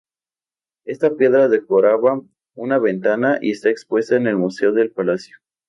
Esta piedra decoraba una ventana y está expuesta en el museo del palacio.